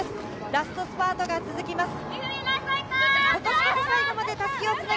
ラストスパートが続きます。